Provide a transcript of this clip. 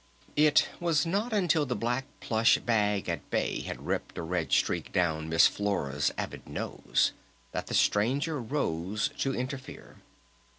It was not until the Black Plush Bag at bay had ripped a red streak down Miss Flora's avid nose that the Stranger rose to interfere.